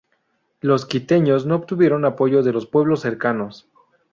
Los quiteños no obtuvieron apoyo de los pueblos cercanos.